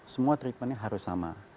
semua treatmentnya harus sama